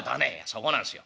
「そこなんすよ。